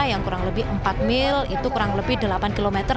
yang kurang lebih empat mil itu kurang lebih delapan km